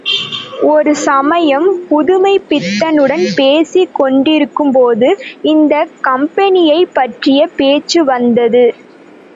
ஒரு சமயம் புதுமைப்பித்தனுடன் பேசிக் கொண்டிருக்கும்போது இந்தக் கம்பெனியைப் பற்றிய பேச்சு வந்தது.